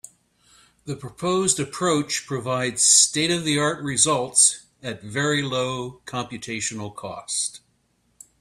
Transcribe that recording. The proposed approach provides state-of-the-art results at very low computational cost.